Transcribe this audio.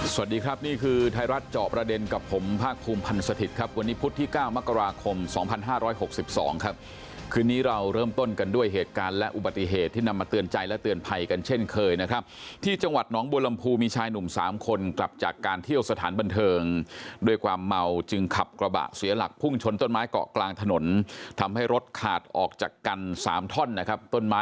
สวัสดีครับนี่คือไทยรัฐเจาะประเด็นกับผมภาคภูมิพันธ์สถิตย์ครับวันนี้พุธที่๙มกราคม๒๕๖๒ครับคืนนี้เราเริ่มต้นกันด้วยเหตุการณ์และอุบัติเหตุที่นำมาเตือนใจและเตือนภัยกันเช่นเคยนะครับที่จังหวัดน้องบูรรมภูมีชายหนุ่ม๓คนกลับจากการเที่ยวสถานบันเทิงด้วยความเมาจึงขับกระ